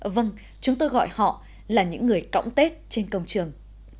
vâng chúng tôi gọi họ là những người cõng tết trên công trường